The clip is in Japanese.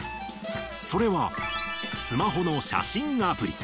それは、スマホの写真アプリ。